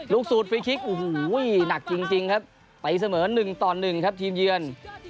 สูตรฟรีคลิกโอ้โหหนักจริงครับไปเสมอ๑ต่อ๑ครับทีมเยือน